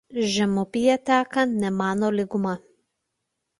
Žemupyje teka Menamo lyguma.